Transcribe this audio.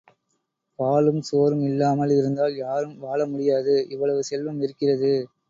பாலும் சோறும் இல்லாமல் இருந்தால் யாரும் வாழ முடியாது. இவ்வளவு செல்வம் இருக்கிறது.